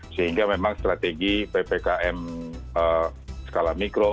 sehingga memang strategi ppkm skala mikro